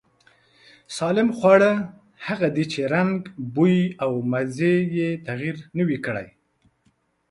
سالم خواړه هغه دي چې رنگ، بوی او مزې يې تغير نه وي کړی.